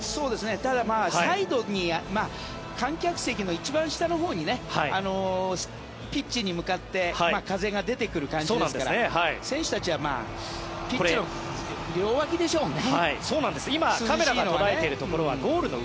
ただ、サイドに観客席の一番下のほうにピッチに向かって風が出てくる感じですから選手たちはピッチの両脇でしょうね。